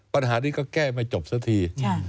ปัญหานี้ก็แก้ไม่จบสักที